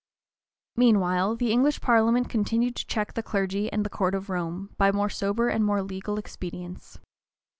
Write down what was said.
Meanwhile the English parliament continued to check the clergy and the court of Rome, by more sober and more legal expedients.